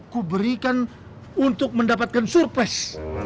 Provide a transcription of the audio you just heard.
ku berikan untuk mendapatkan surprise